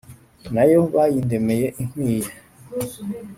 Na yo bayindemeye inkwiye